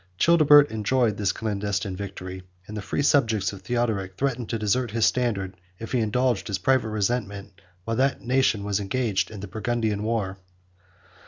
Childebert enjoyed this clandestine victory; and the free subjects of Theodoric threatened to desert his standard, if he indulged his private resentment, while the nation was engaged in the Burgundian war.